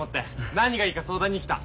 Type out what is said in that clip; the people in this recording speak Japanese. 何がいいか相談に来た。